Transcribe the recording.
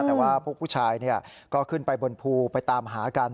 แต่ว่าผู้ชายเนี่ยก็ขึ้นไปบนภูไปตามหากัน